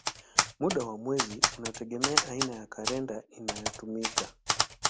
Muda wa mwezi unategemea aina ya kalenda inayotumika.